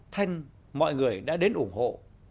thanh mọi người đã đến ủng hộ